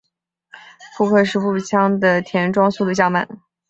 贝克式步枪的填装速度较慢。